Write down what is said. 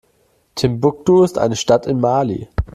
Timbuktu ist eine Stadt in Mali.